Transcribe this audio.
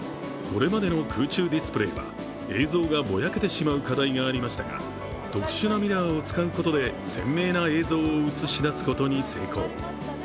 これまでの空中ディスプレイは映像がぼやけてしまう課題がありましたが特殊なミラーを使うことで鮮明な映像を映し出すことに成功。